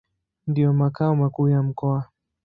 Ndio makao makuu ya mkoa.